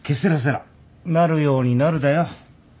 「なるようになる」だよ。